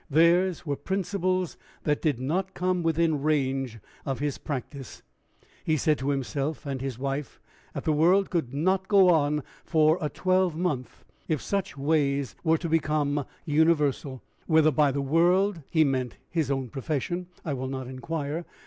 Theirs were principles that did not come within the range of his practice! He said to himself and his wife that the world could not go on for a twelvemonth if such ways were to become universal: whether by the world he meant his own profession, I will not inquire.